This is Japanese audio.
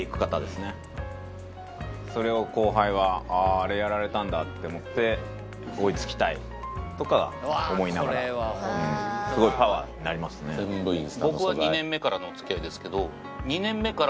それを後輩は「あぁあれやられたんだ」って思って追い付きたいとか思いながらすごいパワーになりますね。って思ってたんで。